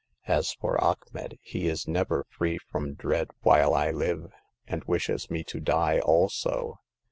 As for Achmet, he is never free from dread while I live, and wishes me to die also.